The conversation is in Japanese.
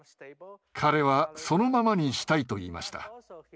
彼はそのままにしたいと言いました。